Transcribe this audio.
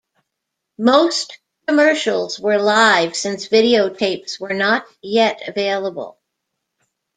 Most commercials were live since videotapes were not yet available.